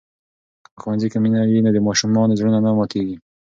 که په ښوونځي کې مینه وي نو د ماشومانو زړونه نه ماتېږي.